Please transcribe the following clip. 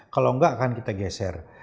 kalau enggak akan kita geser